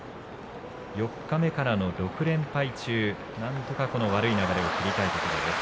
四日目からの６連敗中でなんとか、この悪い流れを切りたいところです。